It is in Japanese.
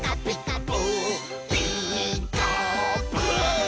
「ピーカーブ！」